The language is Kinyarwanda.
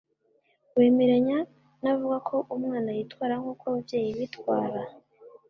Wemeranya n’abavuga ko umwana yitwara nk’uko ababyeyi bitwara?